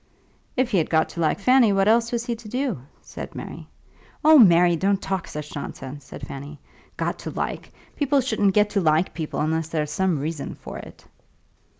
"If he had got to like Fanny what else was he to do?" said Mary. "Oh, Mary, don't talk such nonsense," said Fanny. "Got to like! People shouldn't get to like people unless there's some reason for it."